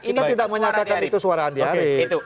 kita tidak menyatakan itu suara andi arief